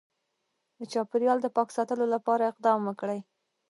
د چاپیریال د پاک ساتلو لپاره اقدام وکړي